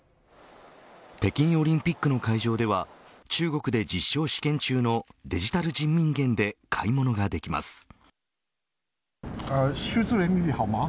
北京オリンピックの会場では中国で実証試験中のデジタル人民元で買い物ができます。